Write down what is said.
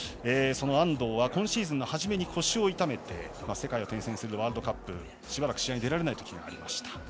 安藤は今シーズンの初めに腰を痛めて世界を転戦するワールドカップしばらく試合に出られないときがありました。